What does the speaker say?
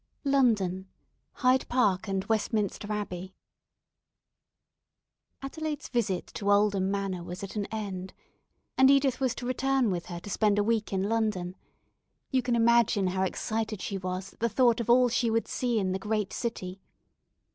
LONDON HYDE PARK AND WESTMINSTER ABBEY ADELAIDE'S visit to Oldham Manor was at an end, and Edith was to return with her to spend a week in London. You can imagine how excited she was at the thought of all she would see in the great city.